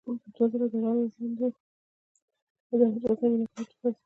روح به مې وړانګې، وړانګې،